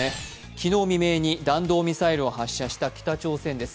昨日未明に弾道ミサイルを発射した北朝鮮です